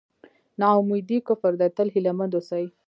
نا اميدي کفر دی تل هیله مند اوسئ.